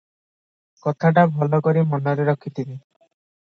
କଥାଟା ଭଲ କରି ମନରେ ରଖିଥିବେ ।